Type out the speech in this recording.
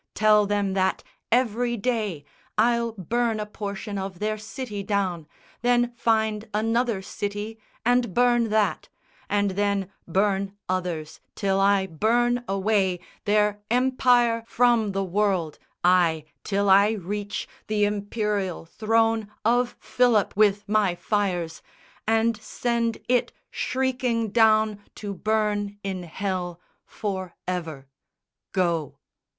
Tell them that, every day, I'll burn a portion of their city down, Then find another city and burn that, And then burn others till I burn away Their empire from the world, ay, till I reach The Imperial throne of Philip with my fires, And send it shrieking down to burn in hell For ever. Go!"